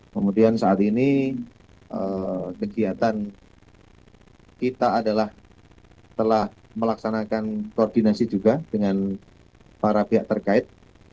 kemudian saat ini kegiatan kita adalah telah melaksanakan koordinasi juga dengan para pihak terkait